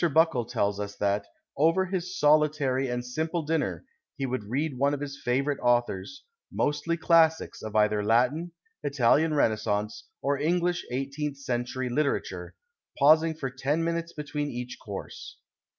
Bueklc tells us that " over his solitary and simple dinner he would read one of his favourite authors, mostly classics of cither Latin, Italian Renaissance, or English eighteenth century literature, pausing for ten minutes between each course."